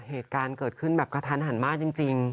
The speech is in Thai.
เหตุการณ์เกิดขึ้นแบบกระทันหันมากจริง